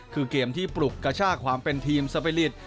คือเกมที่ปลุกกระชากความเป็นทีมสปีริต